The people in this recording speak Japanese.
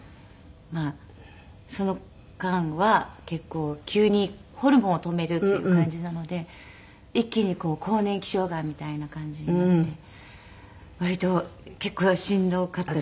まあその間は結構急にホルモンを止めるっていう感じなので一気に更年期障害みたいな感じになって割と結構しんどかったです。